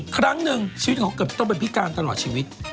ครั้งหนึ่งชีวิตของเกือบต้องเป็นพิการตลอดชีวิต